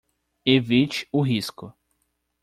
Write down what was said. Evite o risco